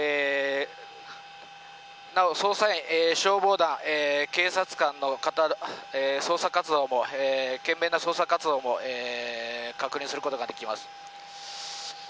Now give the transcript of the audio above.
なお、捜査員、消防団警察官の方の懸命な捜査活動も確認することができます。